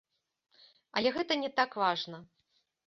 Але гэта не так важна.